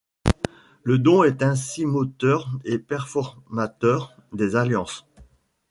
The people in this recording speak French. Le don est ainsi moteur et performateur des alliances.